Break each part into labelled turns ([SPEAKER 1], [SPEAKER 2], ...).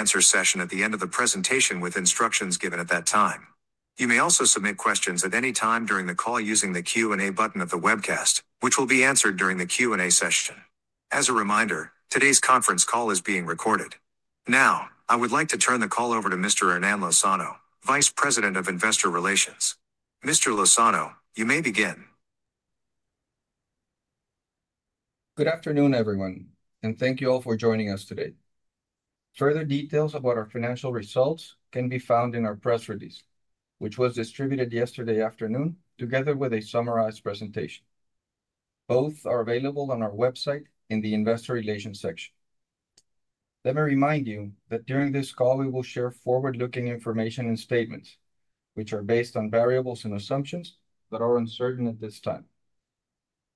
[SPEAKER 1] An answer session at the end of the presentation with instructions given at that time. You may also submit questions at any time during the call using the Q & A button of the webcast, which will be answered during the Q & A session. As a reminder, today's conference call is being recorded. Now, I would like to turn the call over to Mr. Hernán Lozano, Vice President of Investor Relations. Mr. Lozano, you may begin.
[SPEAKER 2] Good afternoon everyone and thank you all for joining us today. Further details about our financial results can be found in our press release, which was distributed yesterday afternoon together with a summarized presentation. Both are available on our website in the Investor Relations section. Let me remind you that during this call we will share forward-looking information and statements, which are based on variables and assumptions that are uncertain. At this time,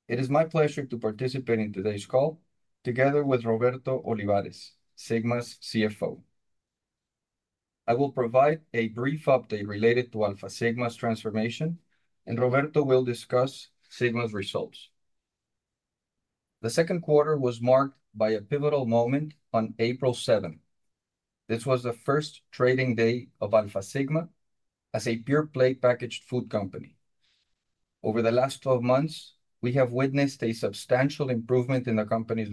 [SPEAKER 2] it is my pleasure to participate in today's call together with Roberto Olivares, Sigma's CFO. I will provide a brief update related to Alfa Sigma's transformation, and Roberto will discuss Sigma's results. The 2nd quarter was marked by a pivotal moment on April 7. This was the first trading day of Alfa Sigma as a pure play packaged food company. Over the last 12 months, we have witnessed a substantial improvement in the company's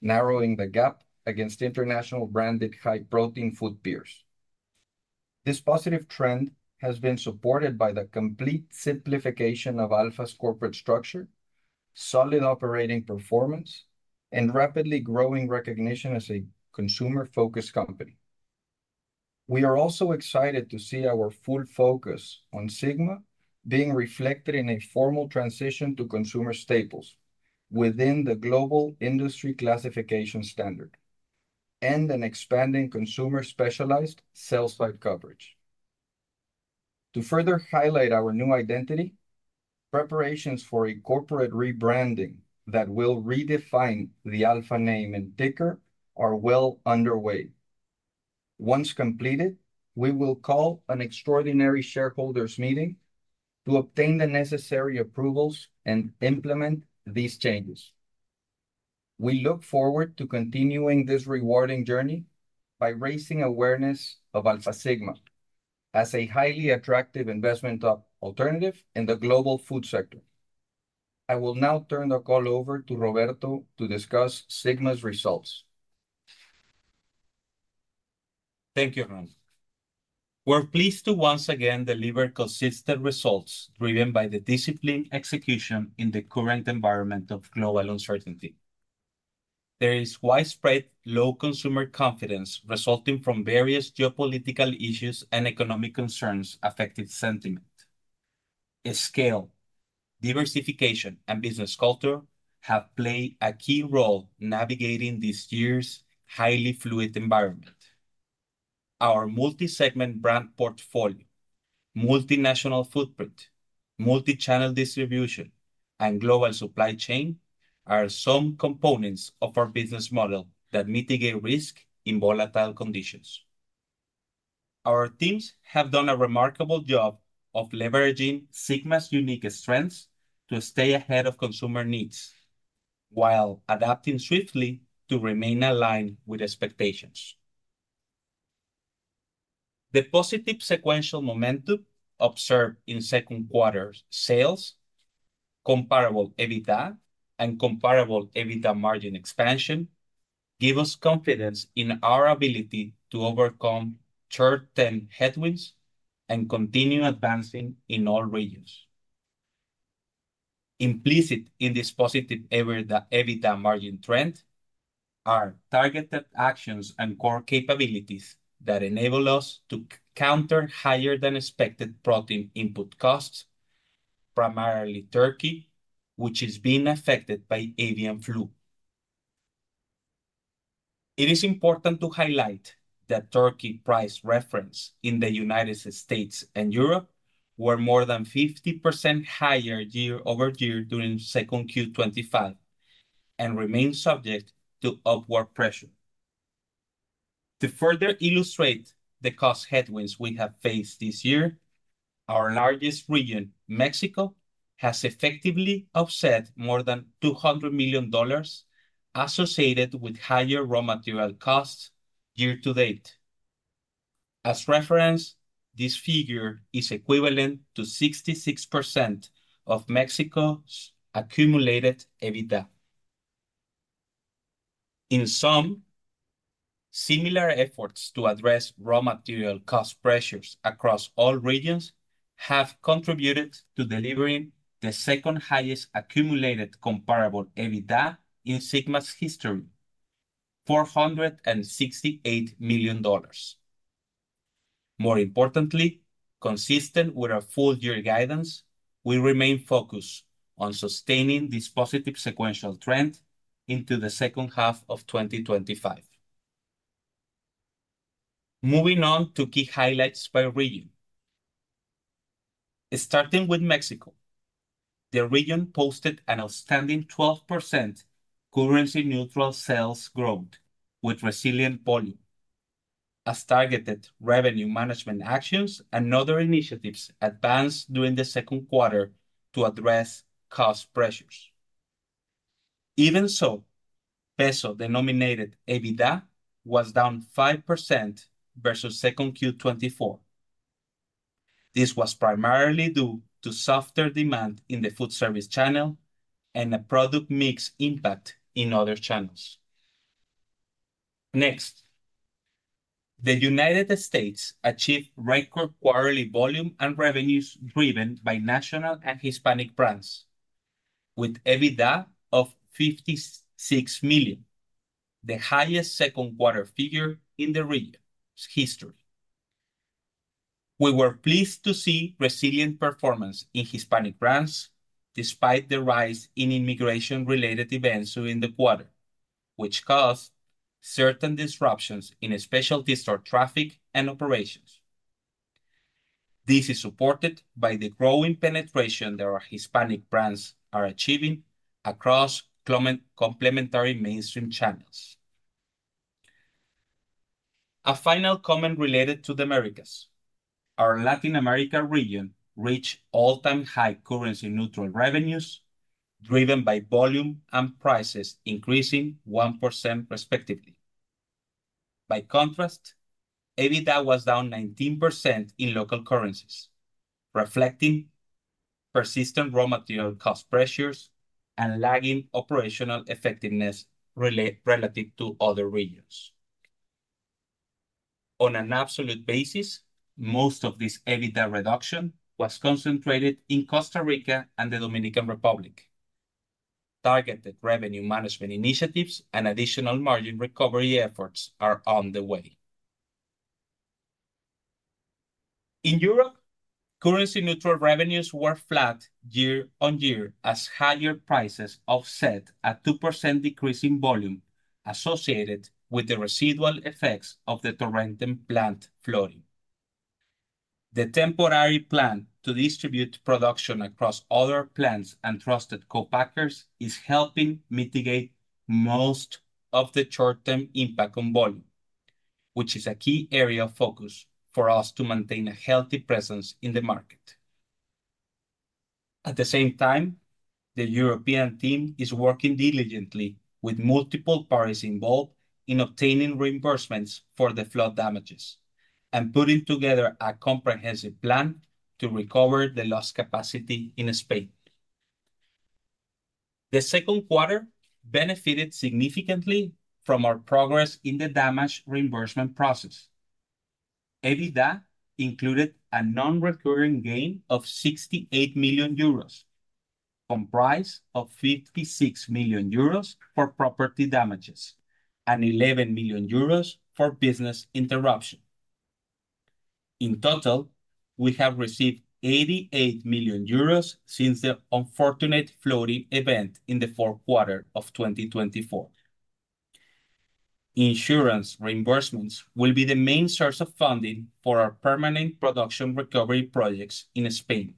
[SPEAKER 2] valuation, narrowing the gap against international branded high protein food peers. This positive trend has been supported by the complete simplification of Alfa's corporate structure, solid operating performance, and rapidly growing recognition as a consumer-focused company. We are also excited to see our full focus on Sigma being reflected in a formal transition to consumer staples within the Global Industry Classification Standard and an expanding consumer-specialized sell-side coverage to further highlight our new identity. Preparations for a corporate rebranding that will redefine the Alfa name and ticker are well underway. Once completed, we will call an extraordinary shareholders meeting to obtain the necessary approvals and implement these changes. We look forward to continuing this rewarding journey by raising awareness of Alfa Sigma as a highly attractive investment alternative in the global food sector. I will now turn the call over to Roberto to discuss Sigma's results.
[SPEAKER 3] Thank you. We're pleased to once again deliver consistent results driven by the disciplined execution in the current environment of global uncertainty. There is widespread low consumer confidence resulting from various geopolitical issues and economic concerns affecting sentimental scale. Diversification and business culture have played a key role navigating this year's highly fluid environment. Our multi-segment brand portfolio, multinational footprint, multi-channel distribution, and global supply chain are some components of our business model that mitigate risk in volatile conditions. Our teams have done a remarkable job of leveraging Sigma's unique strengths to stay ahead of consumer needs while adapting swiftly to remain aligned with expectations. The positive sequential momentum observed in 2nd quarter sales, comparable EBITDA, and comparable EBITDA margin expansion give us confidence in our ability to overcome Chart 10 headwinds and continue advancing in all regions. Implicit in this positive EBITDA margin trend are targeted actions and core capabilities that enable us to counter higher than expected protein input costs, primarily turkey, which is being affected by avian flu. It is important to highlight that turkey price reference in the United States and Europe were more than 50% higher year-over-year during 2nd Q 2025 and remain subject to upward pressure. To further illustrate the cost headwinds we have faced this year, our largest region, Mexico, has effectively offset more than $200 million associated with higher raw material costs year to date. As referenced, this figure is equivalent to 66% of Mexico's accumulated EBITDA. In sum, similar efforts to address raw material cost pressures across all regions have contributed to delivering the second highest accumulated comparable EBITDA in Sigma's history, $468 million. More importantly, consistent with our full year guidance, we remain focused on sustaining this positive sequential trend into the second half of 2025. Moving on to key highlights by region. Starting with Mexico, the region posted an outstanding 12% currency-neutral sales growth with resilient volume as targeted revenue management actions and other initiatives advanced during the 2nd quarter to address cost pressures. Even so, peso-denominated EBITDA was down 5% versus 2nd Q 2024. This was primarily due to softer demand in the food service channel and a product mix impact in other channels. Next, the United States achieved record quarterly volume and revenues driven by national and Hispanic brands with EBITDA of $56 million, the highest 2nd quarter figure in the region's history. We were pleased to see resilient performance in Hispanic brands despite the rise in immigration-related events during the quarter, which caused certain disruptions in specialty store traffic and operations. This is supported by the growing penetration that our Hispanic brands are achieving across complementary mainstream channels. A final comment related to the Americas: our Latin America region reached all-time high currency-neutral revenues driven by volume and prices increasing 1% respectively. By contrast, EBITDA was down 19% in local currencies, reflecting persistent raw material cost pressures and lagging operational effectiveness relative to other regions on an absolute basis. Most of this EBITDA reduction was concentrated in Costa Rica and the Dominican Republic. Targeted revenue management initiatives and additional margin recovery efforts are on the way. In Europe, currency-neutral revenues were flat year-on-year as higher prices offset a 2% decrease in volume associated with the residual effects of the torrent and plant flooding. The temporary plan to distribute production across other plants and trusted co-packers is helping mitigate most of the short-term impact on volume, which is a key area of focus for us to maintain a healthy presence in the market. At the same time, the European team is working diligently with multiple parties involved in obtaining reimbursements for the flood damages and putting together a comprehensive plan to recover the lost capacity in Spain. The 2nd quarter benefited significantly from our progress in the damage reimbursement process. EBITDA included a non-recurring gain of 68 million euros comprised of 56 million euros for property damages and 11 million euros for business interruption. In total, we have received 88 million euros since the unfortunate flooding event in the 4th quarter of 2024. Insurance reimbursements will be the main source of funding for our permanent production recovery projects in Spain.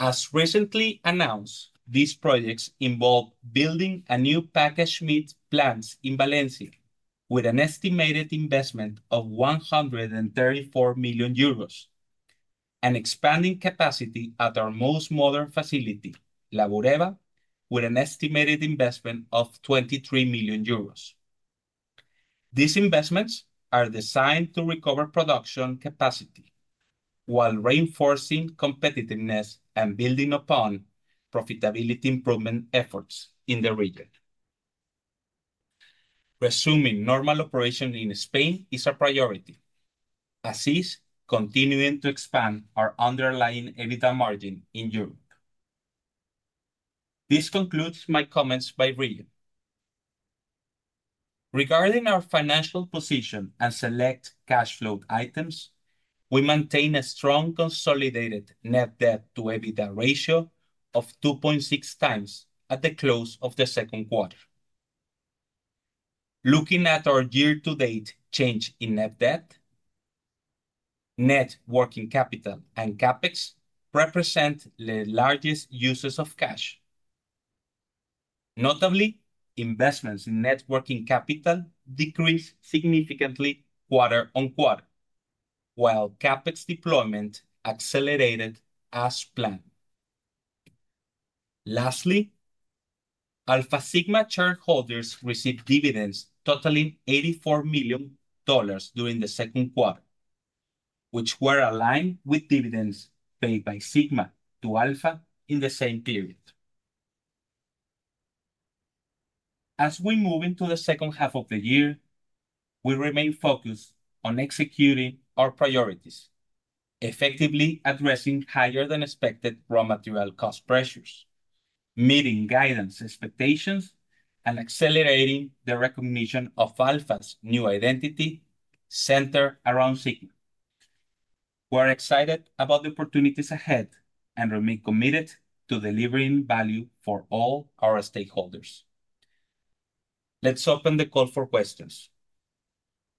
[SPEAKER 3] As recently announced, these projects involve building a new packaged meat plant in Valencia with an estimated investment of 134 million euros and expanding capacity at our most modern facility, La Boreva, with an estimated investment of 23 million euros. These investments are designed to recover production capacity while reinforcing competitiveness and building upon profitability improvement efforts in the region. Resuming normal operation in Spain is a priority, as is continuing to expand our underlying EBITDA margin in Europe. This concludes my comments by region regarding our financial position and select cash flow items. We maintain a strong consolidated net debt to EBITDA ratio of 2.6 times at the close of the 2nd quarter. Looking at our year-to-date change in net debt, net working capital and CapEx represent the largest uses of cash. Notably, investments in net working capital decreased significantly quarter-on-quarter, while CapEx deployment accelerated as planned. Lastly, Alfa Sigma shareholders received dividends totaling $84 million during the 2nd quarter, which were aligned with dividends paid by Sigma to Alfa in the same period. As we move into the second half of the year, we remain focused on executing our priorities effectively, addressing higher than expected raw material cost pressures, meeting guidance expectations, and accelerating the recognition of Alfa's new identity centered around Sigma. We are excited about the opportunities ahead and remain committed to delivering value for all our stakeholders. Let's open the call for questions,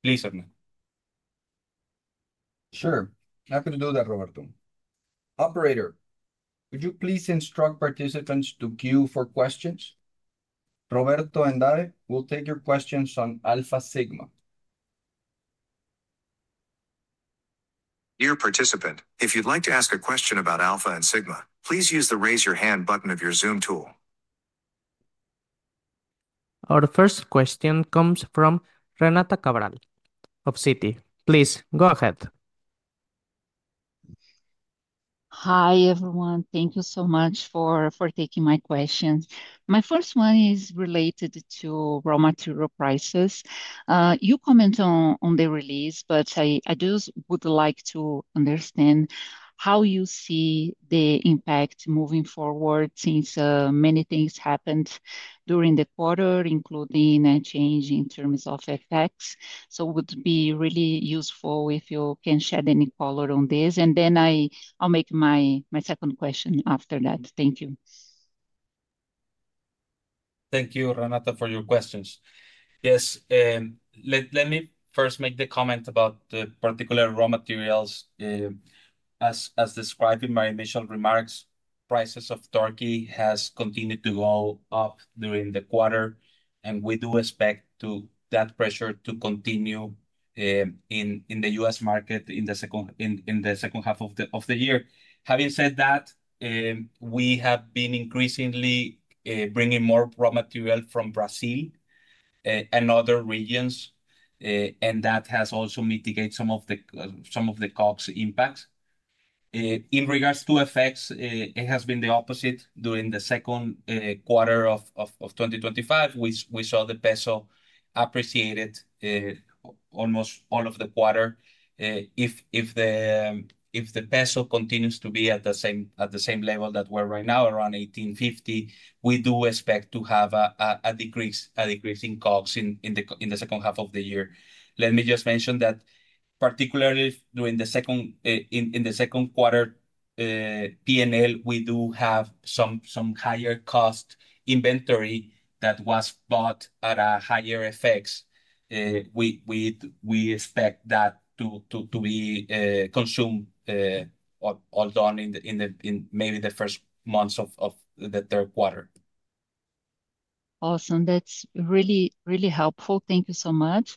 [SPEAKER 3] please.
[SPEAKER 2] Sure, happy to do that, Roberto. Operator, could you please instruct participants to queue for questions? Roberto and I will take your questions on Alfa Sigma.
[SPEAKER 1] Dear participant, if you'd like to ask a question about Alfa and Sigma, please use the raise your hand button of your Zoom tool.
[SPEAKER 4] Our first question comes from Renata Cabral of Citi. Please go ahead.
[SPEAKER 5] Hi everyone. Thank you so much for taking my questions. My first one is related to raw material prices you comment on in the release. I just would like to understand how you see the impact. Many things happened during the quarter, including a change in terms of effects. It would be really useful if you can shed any color on this. I'll make my second question after that. Thank you.
[SPEAKER 3] Thank you, Renata, for your questions. Let me first make the comment about the particular raw materials. As described in my initial remarks, prices of turkey have continued to go up during the quarter, and we do expect that pressure to continue in the U.S. market in the second half of the year. Having said that, we have been increasingly bringing more raw material from Brazil and other regions, and that has also mitigated some of the COGS impacts. In regards to FX, it has been the opposite. During the 2nd quarter of 2025, we saw the peso appreciate almost all of the quarter. If the peso continues to be at the same level that we're at right now, around 18.50, we do expect to have a decrease in COGS in the second half of the year. Let me just mention that particularly in the 2nd quarter P&L, we do have some higher cost inventory that was bought at a higher FX. We expect that to be consumed, all done in maybe the first months of the 3rd quarter.
[SPEAKER 5] Awesome. That's really, really helpful. Thank you so much.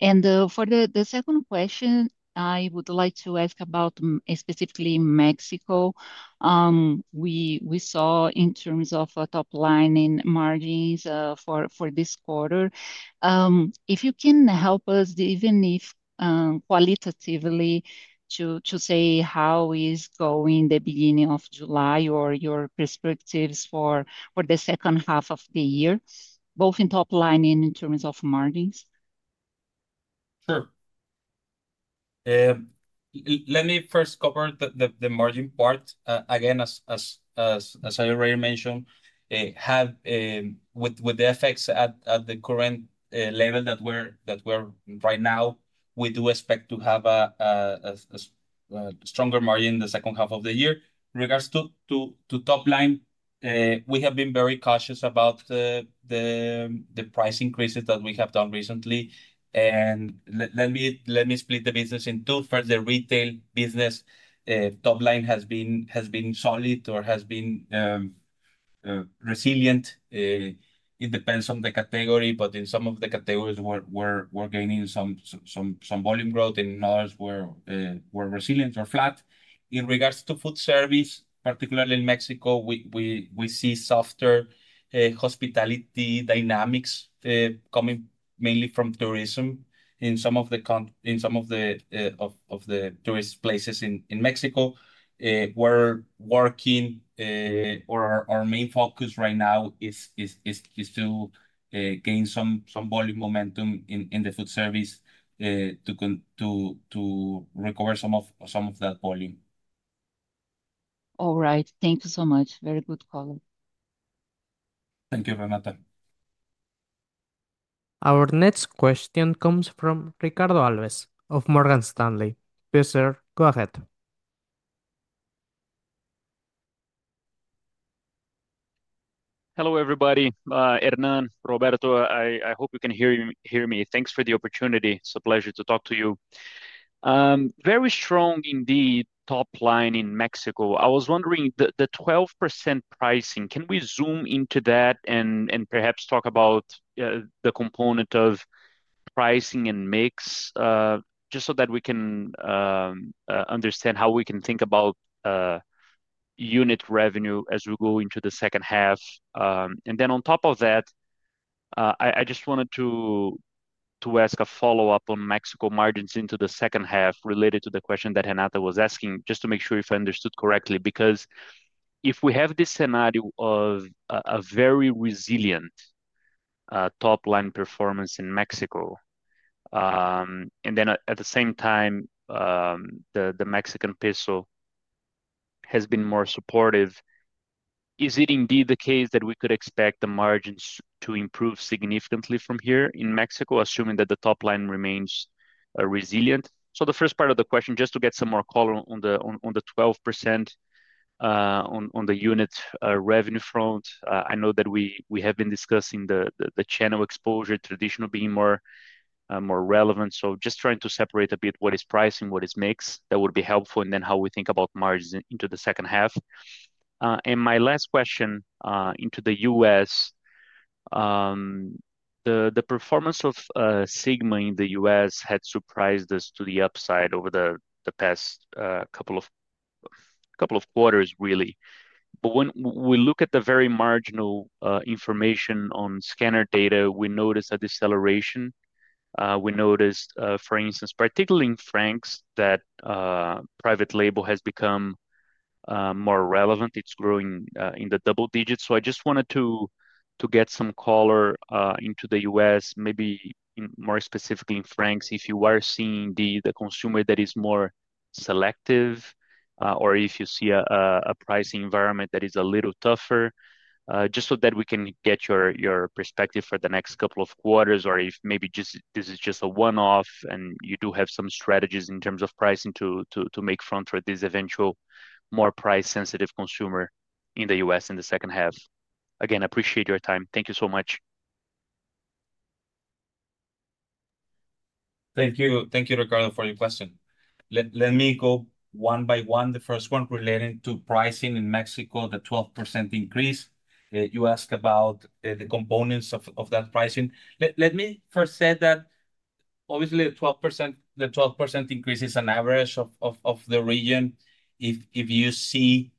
[SPEAKER 5] For the second question, I would like to ask about specifically Mexico. We saw in terms of top line and margins for this quarter. If you can help us, even if qualitatively, to say how is going the beginning of July or your perspectives for the second half of the year, both in top line and in terms of margins.
[SPEAKER 2] Sure.
[SPEAKER 3] Let me first cover the margin part again as I already mentioned with the effects at the current level that we're right now, we do expect to have a stronger margin the second half of the year. In regards to top line, we have been very cautious about the price increases that we have done recently. Let me split the business in two. First, the retail business top line has been solid or has been resilient. It depends on the category. In some of the categories we're gaining some volume growth. In others we're resilient or flat. In regards to food service, particularly in Mexico, we see softer hospitality dynamics coming mainly from tourism in some of the tourist places in Mexico. We're working or our main focus right now is to gain some volume momentum in the food service to recover some of that volume.
[SPEAKER 5] All right, thank you so much. Very good column.
[SPEAKER 3] Thank you, Renata.
[SPEAKER 4] Our next question comes from Ricardo Alves of Morgan Stanley. Yes, sir, go ahead.
[SPEAKER 6] Hello everybody. Hernán, Roberto, I hope you can hear me. Thanks for the opportunity. It's a pleasure to talk to you. Very strong in the top line in Mexico. I was wondering, the 12% pricing, can we zoom into that and perhaps talk about the component of pricing and mix just so that we can understand how we can think about unit revenue as we go into the second half? I just wanted to ask a follow-up on Mexico margins into the second half related to the question that Renata was asking, just to make sure if I understood correctly. Because if we have this scenario of a very resilient top line performance in Mexico and at the same time the Mexican peso has been more supportive, is it indeed the case that we could expect the margins to improve significantly from here in Mexico, assuming that the top line remains resilient? The first part of the question, just to get some more color on the 12% on the unit revenue front. I know that we have been discussing the channel exposure, traditional being more relevant. Just trying to separate a bit what is pricing, what is mix, that would be helpful, and then how we think about margins into the second half. My last question, in the U.S., the performance of Sigma in the U.S. had surprised us to the upside over the past couple of quarters, really. When we look at the very marginal information on scanner data, we notice a deceleration. We noticed, for instance, particularly in Franks, that private label has become more relevant. It's growing in the double digits. I just wanted to get some color into the U.S., maybe more specifically in Franks, if you are seeing the consumer that is more selective or if you see a pricing environment that is a little tougher, just so that we can get your perspective for the next couple of quarters, or if maybe this is just a one-off and you do have some strategies in terms of pricing to make front for this eventual more price-sensitive consumer in the U.S. in the second half. Again, appreciate your time. Thank you so much.
[SPEAKER 3] Thank you. Thank you, Ricardo, for your question. Let me go one by one. The first one relating to pricing in Mexico, the 12% increase, you asked about the components of that pricing. Let me first say that obviously a 12% increase, the 12% increase is an average of the region. If you see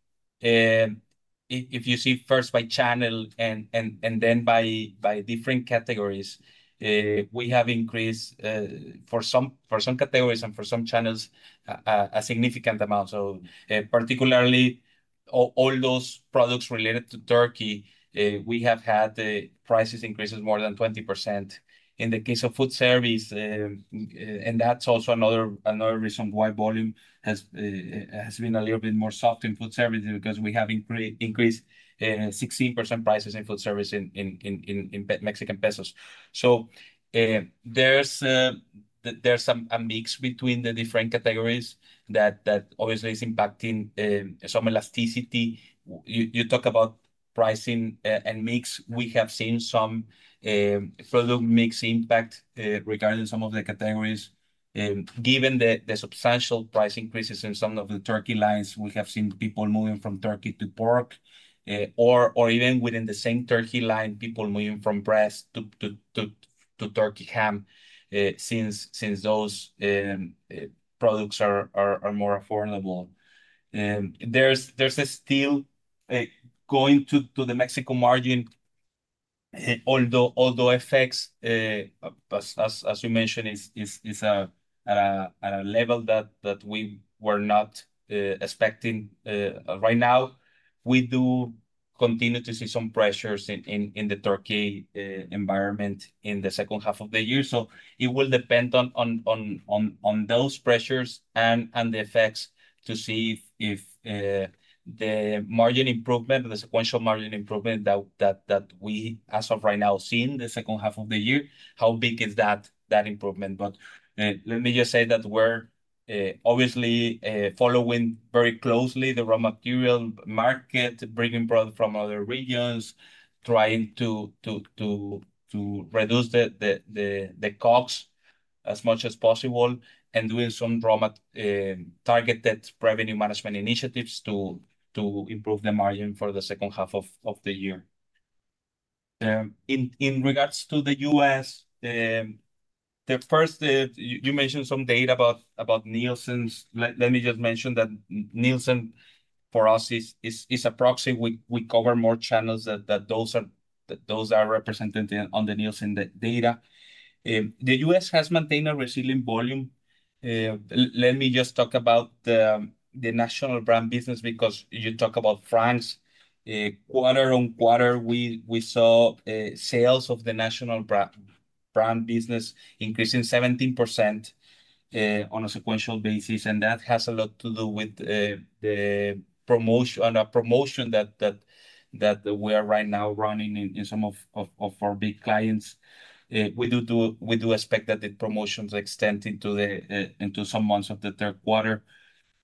[SPEAKER 3] first by channel and then by different categories, we have increased for some categories and for some channels a significant amount. Particularly all those products related to turkey, we have had the price increases more than 20% in the case of food service. That's also another reason why volume has been a little bit more soft in food service because we have increased 16% prices in food service in Mexican pesos. There's a mix between the different categories that obviously is impacting some elasticity. You talk about pricing and mix. We have seen some product mix impact regarding some of the categories. Given the substantial price increases in some of the turkey lines, we have seen people moving from turkey to pork or even within the same turkey line, people moving from breast to turkey ham since those products are more affordable. There's still going to the Mexico margin, although effects as you mentioned is at a level that we were not expecting right now. We do continue to see some pressures in the turkey environment in the second half of the year. It will depend on those pressures and the effects to see if the margin improvement, the sequential margin improvement that we as of right now see in the second half of the year, how big is that improvement. Let me just say that we're obviously following very closely the raw material market, bringing product from other regions, trying to reduce the COGS as much as possible and doing some targeted revenue management initiatives to improve the margin for the second half of the year. In regards to the U.S., you mentioned some data about Nielsen. Let me just mention that Nielsen for us is a proxy. We cover more channels than those that are represented in the Nielsen data. The U.S. has maintained a resilient volume. Let me just talk about the national brand business because you talk about France. Quarter-on-quarter, we saw sales of the national brand business increasing 17% on a sequential basis. That has a lot to do with the promotion and a promotion that we are right now running in some of our big clients. We do expect that the promotions extend into some months of the 3rd quarter.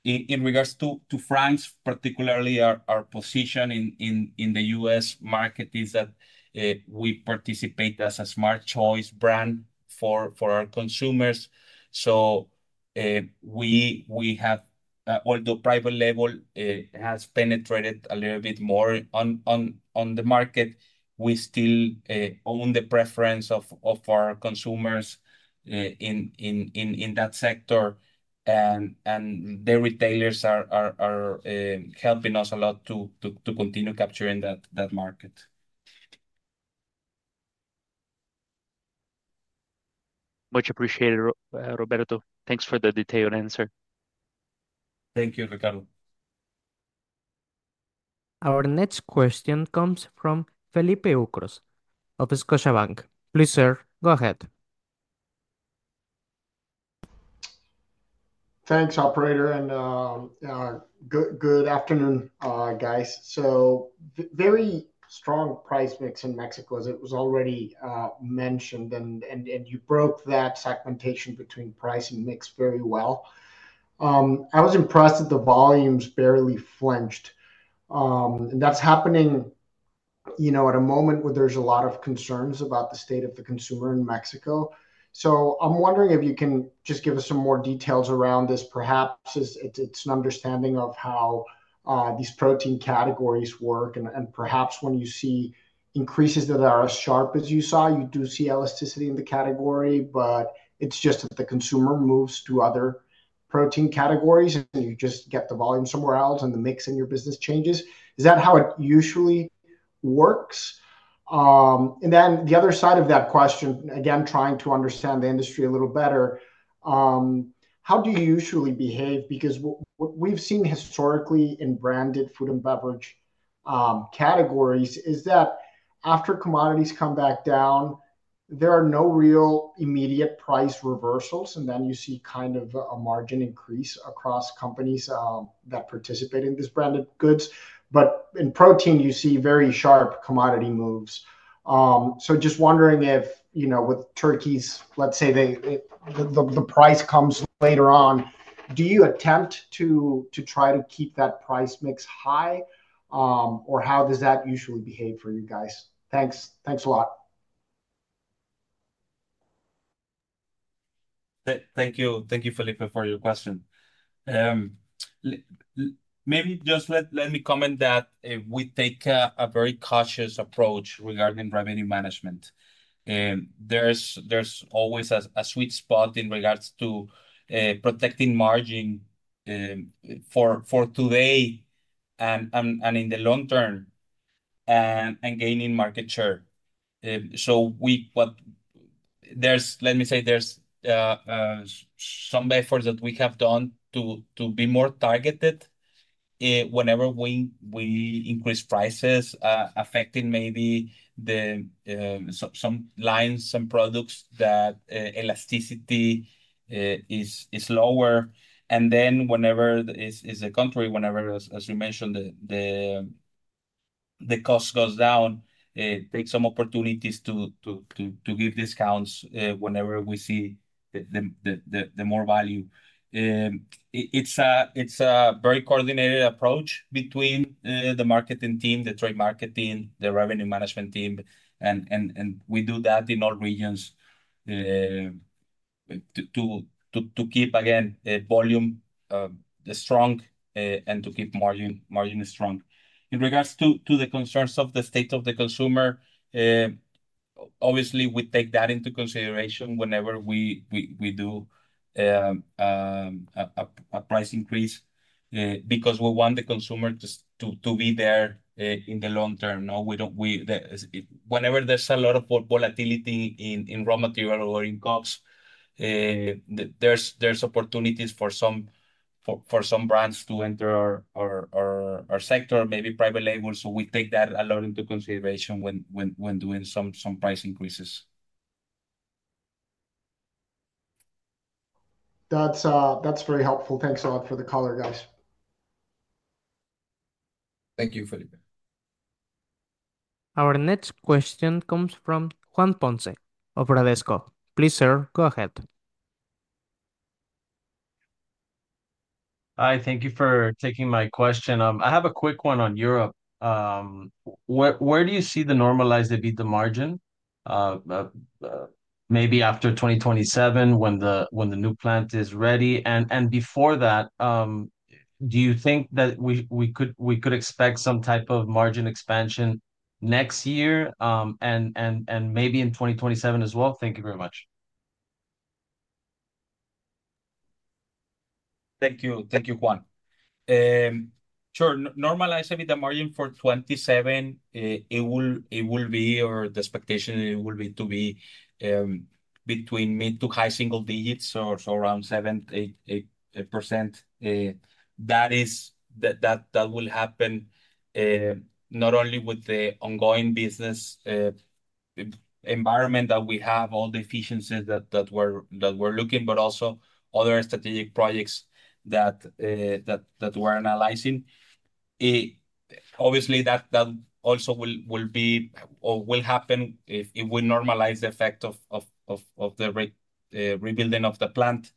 [SPEAKER 3] In regards to France, particularly our position in the U.S. market is that we participate as a smart choice brand. Although private label has penetrated a little bit more in the market, we still own the preference of our consumers in that sector, and the retailers are helping us a lot to continue capturing that market.
[SPEAKER 6] Much appreciated. Roberto, thanks for the detailed answer.
[SPEAKER 3] Thank you, Ricardo.
[SPEAKER 4] Our next question comes from Felipe Ucros of Scotiabank. Please, sir, go ahead.
[SPEAKER 7] Thanks, operator. Good afternoon, guys. Very strong price mix in Mexico, as it was already mentioned. You broke that segmentation between price and mix very well. I was impressed that the volumes barely flinched. That's happening at a moment where there's a lot of concerns about the state of the consumer in Mexico. I'm wondering if you can just give us some more details around this. Perhaps it's an understanding of how these protein categories work and perhaps when you see increases that are as sharp as you saw, you do see elasticity in the category, but it's just that the consumer moves to other protein categories and you just get the volume somewhere else and the mix in your business changes. Is that how it usually works? The other side of that question, again, trying to understand the industry a little better, how do you usually behave? What we've seen historically in branded food and beverage categories is that after commodities come back down, there are no real immediate price reversals. You see kind of a margin increase across companies that participate in these branded goods. In protein, you see very sharp commodity moves. Just wondering if, with turkeys, let's say the price comes later on, do you attempt to try to keep that price mix high or how does that usually behave for you guys? Thanks. Thanks a lot.
[SPEAKER 3] Thank you. Thank you, Felipe, for your question. Maybe just let me comment that we take a very cautious approach regarding revenue management. There's always a sweet spot in regards to protecting margin for today and in the long term and gaining market share. Let me say there's some efforts that we have done to be more targeted. Whenever we increase prices affecting maybe some lines, some products, that elasticity is lower. Whenever it is the contrary, as we mentioned, the cost goes down, we take some opportunities to give discounts whenever we see the more value. It's a very coordinated approach between the marketing team, the trade marketing, the revenue management team. We do that in all regions to keep, again, volume strong and to keep margin strong. In regards to the concerns of the state of the consumer, obviously we take that into consideration whenever we do. A. Price increase because we want the consumer to be there in the long term. No, we don't. Whenever there's a lot of volatility in raw material or in costs, there's opportunities for some brands to enter our sector, maybe private labels. We take that a lot into consideration when doing some price increases.
[SPEAKER 7] That's very helpful. Thanks a lot for the color, guys.
[SPEAKER 3] Thank you, Felipe.
[SPEAKER 4] Our next question comes from Juan Ponce of Bradesco. Please, sir, go ahead.
[SPEAKER 8] Hi, thank you for taking my question. I have a quick one on Europe. Where do you see the normalized EBITDA margin? Maybe after 2027 when the new plant is ready and before that, do you think that we could expect some type of margin expansion next year and maybe in 2027 as well? Thank you very much.
[SPEAKER 3] Thank you. Thank you, Juan. Sure. Normalized with the margin for 2027, it will be or the expectation will be to be between mid to high single-digits or so around 7-8%. That is, that will happen not only with the ongoing business environment that we have, all the efficiencies that we're looking, but also other strategic projects that we're analyzing. Obviously, that also will be or will happen if it will normalize the effect of the rebuilding of the plant.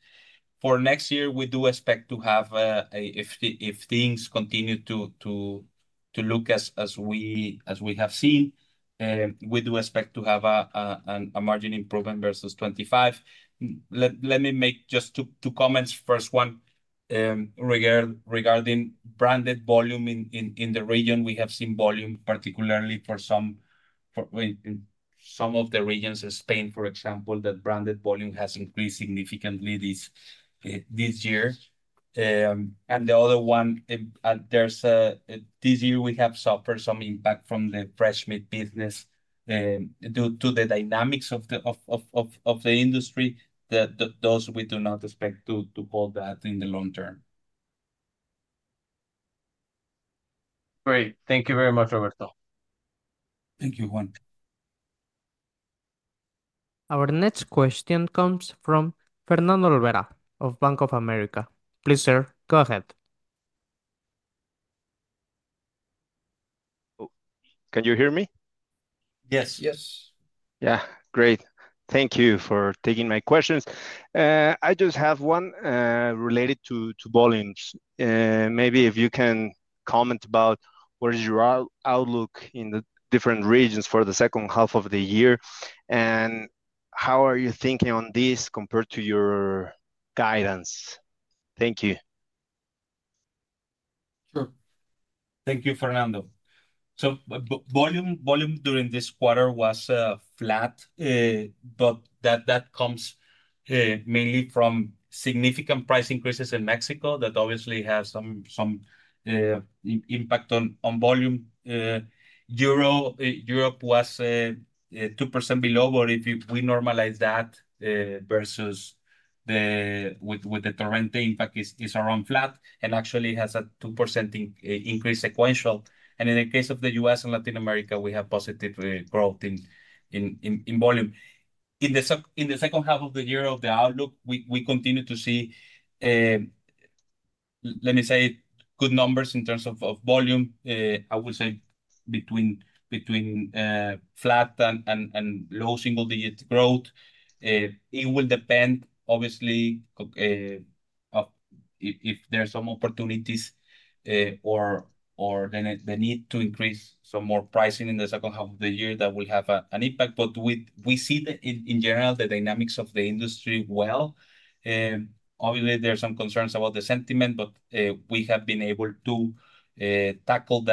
[SPEAKER 3] For next year, we do expect to have, if things continue to look as we have seen, we do expect to have a margin improvement versus 2025. Let me make just two comments. First one regarding branded volume in the region. We have seen volume, particularly for some in some of the regions in Spain, for example, that branded volume has increased significantly this year. The other one, this year we have suffered some impact from the fresh meat business due to the dynamics of the industry. Those we do not expect to pull that in the long term.
[SPEAKER 8] Great. Thank you very much, Roberto.
[SPEAKER 3] Thank you, Juan.
[SPEAKER 4] Our next question comes from Fernando Olvera of Bank of America. Please sir, go ahead.
[SPEAKER 9] Can you hear me?
[SPEAKER 3] Yes, yes.
[SPEAKER 9] Yeah, great. Thank you for taking my questions. I just have one related to volumes, and maybe if you can comment about what is your outlook in the different regions for the second half of the year, and how are you thinking on this compared to your guidance? Thank you.
[SPEAKER 2] Sure.
[SPEAKER 3] Thank you, Fernando. Volume during this quarter was flat, but that comes mainly from significant price increases in Mexico. That obviously has some impact on volume. Europe was 2% below, or if we normalize that versus with the torrent impact, it is around flat and actually has a 2% increase sequentially. In the case of the U.S. and Latin America, we have positive growth in. In. In volume in the SEC in the second half of the year of the outlook. We continue to see, let me say, good numbers in terms of volume. I would say between flat and low single-digit growth. It will depend obviously if there's some opportunities or the need to increase some more pricing in the second half of the year. That will have an impact. We see, in general, the dynamics of the industry well. Obviously, there are some concerns about the sentiment, but we have been able to tackle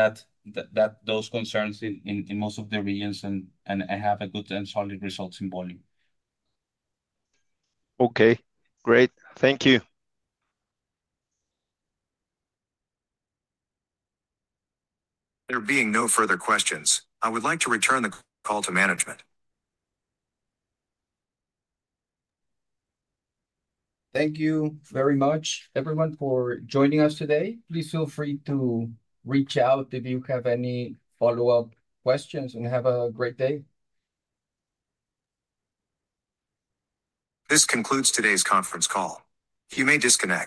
[SPEAKER 3] those concerns in most of the regions and have good and solid results in volume.
[SPEAKER 9] Okay.
[SPEAKER 1] There being no further questions, I would like to return the call to management.
[SPEAKER 2] Thank you very much everyone for joining us today. Please feel free to reach out if you have any follow up questions, and have a great day.
[SPEAKER 1] This concludes today's conference call. You may disconnect.